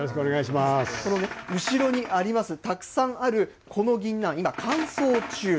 この後ろにあります、たくさんあるこのぎんなん、今、乾燥中。